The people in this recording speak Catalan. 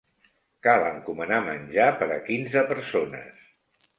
Cal encomanar menjar per a quinze persones.